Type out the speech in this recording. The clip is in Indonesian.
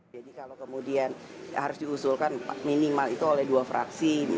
jadi kalau kemudian harus diusulkan minimal itu oleh dua fraksi